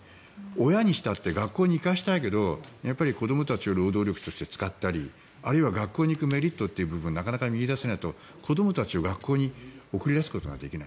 親にしたって学校行かしたいけど子どもたちを労働力に使ったりあるいは学校に行くメリットという部分がなかなか見いだせないと子どもたちを学校に送り出すことができない。